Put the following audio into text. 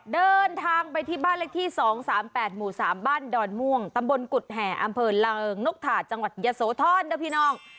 เดินทางไปที่บ้านเลขที่๒๓๘หมู่๓บ้านดอนม่วงตำบลกุฎแห่อำเภอเริงนกถาจังหวัดยะโสธรนะพี่น้อง